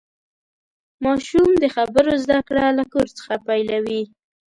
ماشوم د خبرو زدهکړه له کور څخه پیلوي.